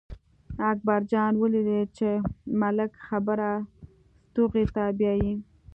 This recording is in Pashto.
اکبر جان ولیدل چې ملک خبره ستوغې ته بیايي.